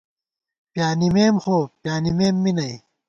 پیانِمېم خو پیانِمېم می نئ